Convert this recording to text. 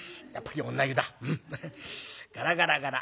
ガラガラガラ。